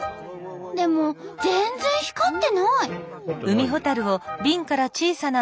でも全然光ってない！